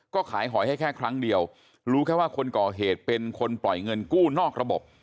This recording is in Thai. ก็ขายหอยให้แค่ครั้งเดียวรู้แค่ว่าคนก่อเหตุเป็นคนปล่อยเงินกู้นอกระบบ